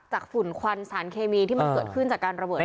ฝุ่นควันสารเคมีที่มันเกิดขึ้นจากการระเบิด